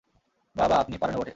বাবা, আপনি পারেনও বটে।